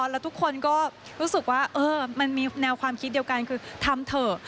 แล้วทุกคนก็รู้สึกว่ามันมีแนวความคิดเดียวกันคือทำเถอะ